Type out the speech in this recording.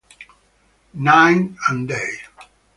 Night and Day